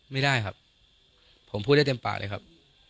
ไม่ได้ครับผมพูดได้เต็มปากเลยครับ